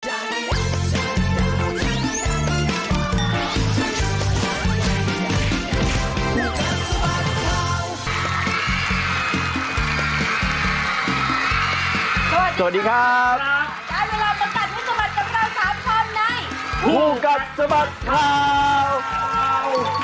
สวัสดีครับแล้วเวลาบันกัดผู้สมารถกับเรา๓คนในผู้กัดสมารถคร่าว